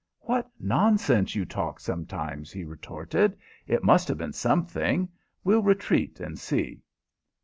"What nonsense you talk sometimes!" he retorted. "It must have been something. We'll retreat and see."